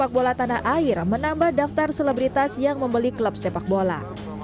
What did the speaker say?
sepak bola tanah air menambah daftar selebritas yang membeli klub sepak bola